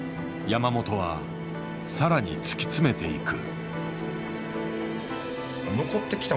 山本は更に突き詰めていく。